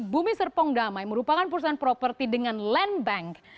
bumi serpong damai merupakan perusahaan properti dengan land bank